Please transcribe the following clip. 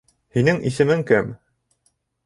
Һинең исемең кем?